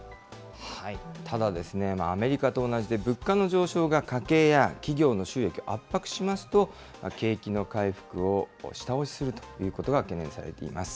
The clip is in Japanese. ただ、アメリカと同じで、物価の上昇が家計や企業の収益を圧迫しますと、景気の回復を下押しするということが懸念されています。